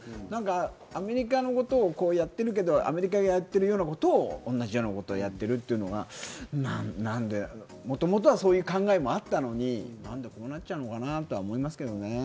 アメリカのことをやってるけど、アメリカがやってるようなこと、同じようなことをやっているのは、もともとそういう考えもあったのに、なんでこうなっちゃうのかなと思いますね。